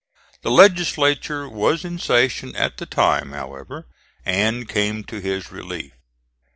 The legislature was in session at the time, however, and came to his relief.